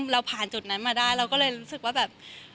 เราผ่านจุดนั้นมาได้เราก็เลยรู้สึกว่าแบบ